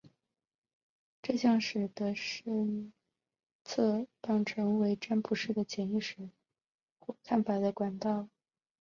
这将使得探测棒成为占卜师的潜意识知识或看法的管道。